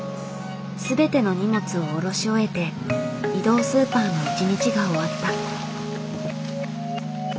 全ての荷物を降ろし終えて移動スーパーの一日が終わった。